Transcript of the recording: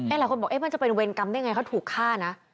หลายคนบอกมันจะเป็นเวรกรรมได้ไงเขาถูกฆ่านะ